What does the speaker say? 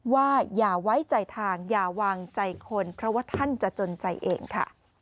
อย่าไว้ใจทางอย่าวางใจคนเพราะว่าท่านจะจนใจเองค่ะ